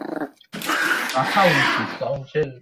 তারপর তার নিকট এসে তাকে হত্যা করত।